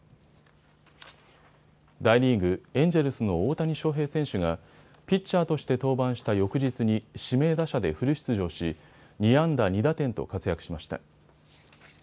大リーグエンジェルスの大谷翔平選手がピッチャーとして登板した翌日に指名打者でフル出場し２安打２打点と活躍しました。